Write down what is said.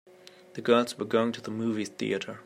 The girls are going to the movie theater.